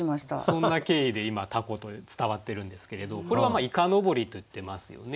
そんな経緯で今凧と伝わってるんですけれどこれは「几巾」と言ってますよね。